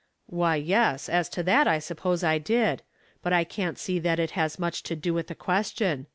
"Why, yes; as to that, I suppose I did. But I can't see that it has much to do with the question.